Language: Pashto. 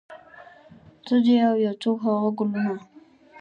ته ځې او یو څوک هغه ګلونه